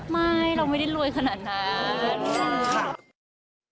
ไม่เราไม่ได้รวยขนาดนั้น